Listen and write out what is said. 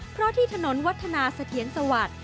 เพราะที่ถนนวัฒนาเสถียรสวัสดิ์